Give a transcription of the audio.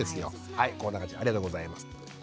はいこんな感じありがとうございます。